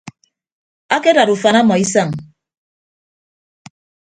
Akedad ufan ọmọ isañ.